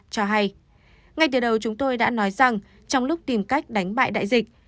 cho hay ngay từ đầu chúng tôi đã nói rằng trong lúc tìm cách đánh bại đại dịch